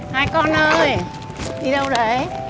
hai con ơi đi đâu đấy